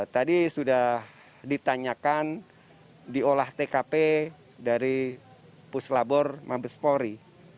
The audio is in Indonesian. tadi sudah ditanyakan diolah tkp dari puslabor mabes polri